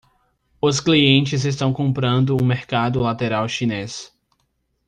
Os clientes estão comprando um mercado lateral chinês.